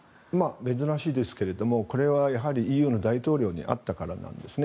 珍しいですけれどもこれはやはりＥＵの大統領に会ったからなんですね。